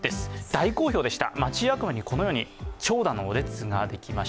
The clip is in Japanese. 大好評でした。